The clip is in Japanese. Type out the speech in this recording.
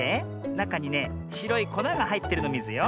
なかにねしろいこながはいってるのミズよ。